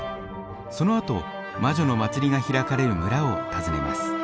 そのあと魔女の祭りが開かれる村を訪ねます。